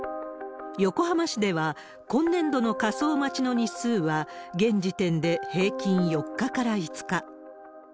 横浜市では、今年度の火葬待ちの日数は、現時点で平均４日から５日。